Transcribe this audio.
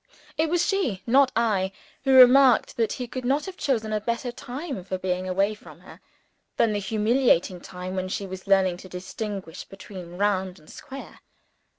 It was she (not I) who remarked that he could not have chosen a better time for being away from her, than the humiliating time when she was learning to distinguish between round and square.